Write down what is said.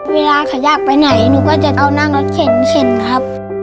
เวลาเขาอยากไปไหนหนูก็จะเอานั่งรถเข็นเข็นครับ